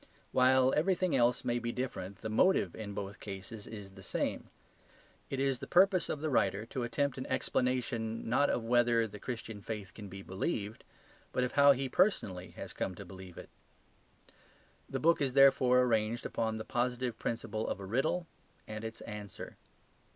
While everything else may be different the motive in both cases is the same. It is the purpose of the writer to attempt an explanation, not of whether the Christian Faith can be believed, but of how he personally has come to believe it. The book is therefore arranged upon the positive principle of a riddle and its answer.